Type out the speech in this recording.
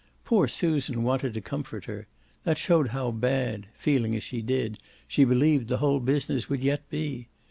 Poor Susan wanted to comfort her; that showed how bad feeling as she did she believed the whole business would yet be.